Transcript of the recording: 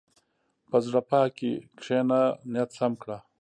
په زړه پاکۍ کښېنه، نیت سم کړه.